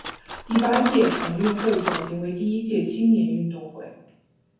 第八届城运会转型为第一届青年运动会。